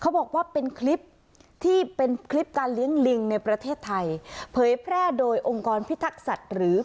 บอกว่าเป็นคลิปที่เป็นคลิปการเลี้ยงลิงในประเทศไทยเผยแพร่โดยองค์กรพิทักษัตริย์หรือ